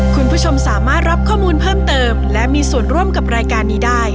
คุณผู้ชมสามารถรับข้อมูลเพิ่มเติมและมีส่วนร่วมกับรายการนี้ได้